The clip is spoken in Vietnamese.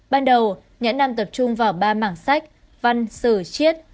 ban đầu nhãn nam tập trung vào ba mảng sách văn sử chiết